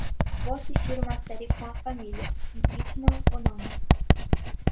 Vou assistir uma série com a família. Impeachment, o nome.